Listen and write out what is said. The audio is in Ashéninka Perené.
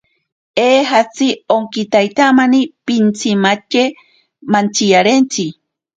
Eejatzi okitaitamani pitsimatye mantsiyarentsi.